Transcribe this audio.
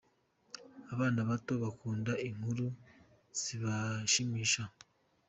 Abana bato bakunda inkuru zibashimisha.